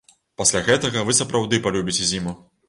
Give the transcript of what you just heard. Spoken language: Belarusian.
Пасля гэтага вы сапраўды палюбіце зіму!!!